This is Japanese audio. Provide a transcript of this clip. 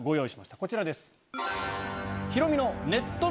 こちらです。